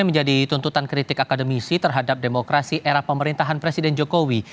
menjadi tuntutan kritik akademisi terhadap demokrasi era pemerintahan presiden jokowi